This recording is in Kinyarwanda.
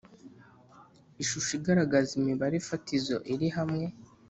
ishusho igaragaza imibare fatizo iri hamwe